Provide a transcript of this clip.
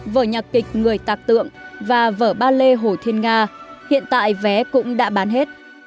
vở nhạc kịch người tạc tượng và vở ballet hồ thiên nga hiện tại vé cũng đã bán hết